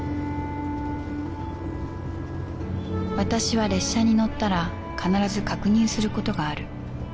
私は列車に乗ったら必ず確認することがある。